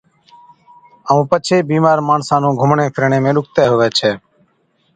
ائُون پڇي بِيمار ماڻسا نُون گھُمڻي ڦِرڻي ۾ ڏُکتَي هُوَي ڇَي۔